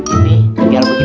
ini keliar begitu